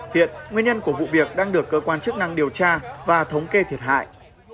hiện nguyên nhân của vụ việc đang được cơ quan chức năng điều tra và thống kê thiệt hại